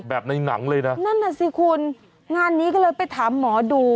ในหนังเลยนะนั่นน่ะสิคุณงานนี้ก็เลยไปถามหมอดู